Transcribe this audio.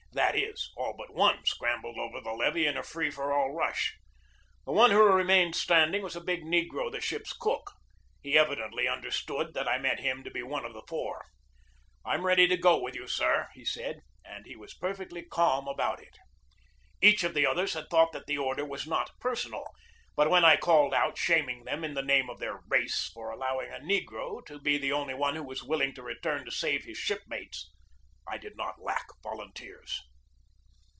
That is, all but one scrambled over the levee in a free for all rush. The one who re mained standing was a big negro, the ship's cook. He evidently understood that I meant him to be one of the four. "I'm ready to go with you, sir!" he said. And he was perfectly calm about it. Each of the others had thought that the order was not personal. But when I called out, shaming them, in the name of their race, for allowing a negro to be the only one who was willing to return to save his shipmates, I did not lack volunteers.